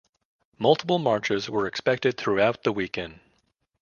Multiple marches were expected throughout the weekend.